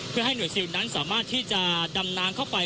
เพื่อให้หน่วยซิลนั้นสามารถที่จะดำน้ำเข้าไป